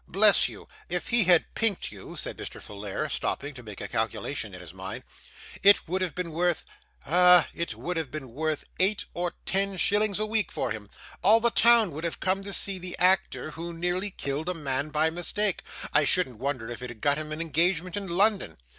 Bless you, if he had pinked you,' said Mr. Folair, stopping to make a calculation in his mind, 'it would have been worth ah, it would have been worth eight or ten shillings a week to him. All the town would have come to see the actor who nearly killed a man by mistake; I shouldn't wonder if it had got him an engagement in London.